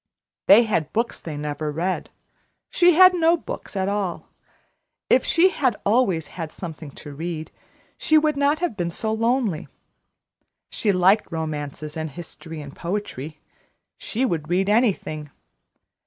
They had books they never read; she had no books at all. If she had always had something to read, she would not have been so lonely. She liked romances and history and poetry; she would read anything.